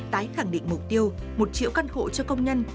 tái khẳng định mục tiêu một triệu căn hộ cho công nhân